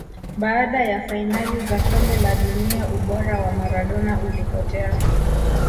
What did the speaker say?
Baada ya fainali za kombe la dunia ubora wa Maradona ulipotea